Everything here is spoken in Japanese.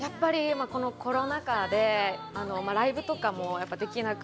コロナ禍でライブとかもできなく、